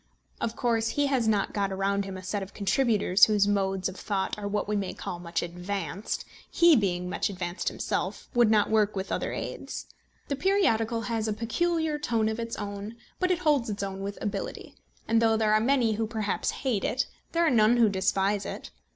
Of course he has got around him a set of contributors whose modes of thought are what we may call much advanced; he being "much advanced" himself, would not work with other aids. The periodical has a peculiar tone of its own; but it holds its own with ability, and though there are many who perhaps hate it, there are none who despise it.